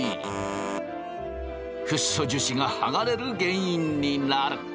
フッ素樹脂がはがれる原因になる。